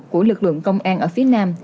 của lực lượng công an ở phía nam